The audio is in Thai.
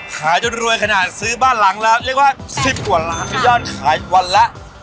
ขายจนรวยขนาดซื้อบ้านหลังแล้วเรียกว่า๑๐กว่าล้านยอดขายวันละ